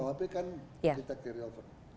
kalau hp kan kita carry over